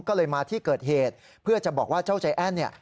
ก็เลยมาที่เกิดเหตุเพื่อจะบอกว่าเจ้าใจแอ้นเนี่ย